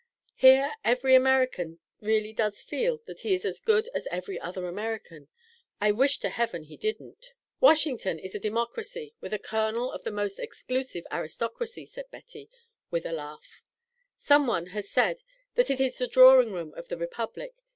Here every American really does feel that he is as good as every other American; I wish to heaven he didn't." "Washington is a democracy with a kernel of the most exclusive aristocracy," said Betty, with a laugh. "Some one has said that it is the drawing room of the Republic.